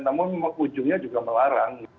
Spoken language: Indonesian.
namun ujungnya juga melarang